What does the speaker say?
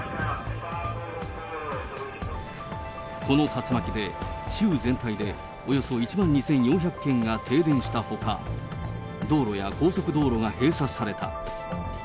この竜巻で、州全体でおよそ１万２４００軒が停電したほか、道路や高速道路が閉鎖された。